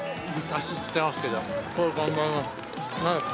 足つってますけど、これで頑張れます。